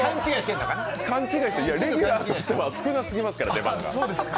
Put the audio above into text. いや、レギュラーとしては少なすぎますから、出番が。